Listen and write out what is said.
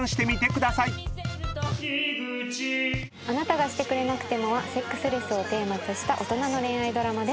『あなたがしてくれなくても』はセックスレスをテーマとした大人の恋愛ドラマです。